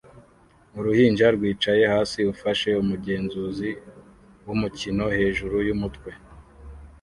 Uruhinja rwicaye hasi ufashe umugenzuzi wumukino hejuru yumutwe